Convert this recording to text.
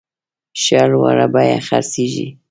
ښه لوړه بیه خرڅیږي.